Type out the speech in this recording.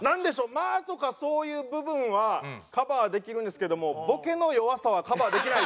間とかそういう部分はカバーできるんですけどもボケの弱さはカバーできない。